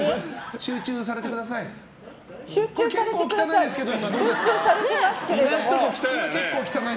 集中されてください。